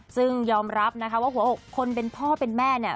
ซึ่งยอมรับว่าคนเป็นพ่อเป็นแม่นี่